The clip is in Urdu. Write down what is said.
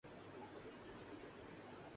تو بس اب یہی کرنا چاہیے۔